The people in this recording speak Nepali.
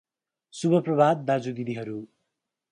शुभ प्रभात दाजु दिदिहरु